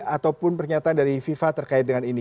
ataupun pernyataan dari fifa terkait dengan ini